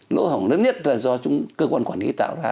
lỗ hỏng lớn nhất là do cơ quan quản lý tạo ra